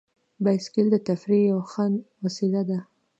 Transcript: بایسکل د تفریح یوه ښه وسیله ده.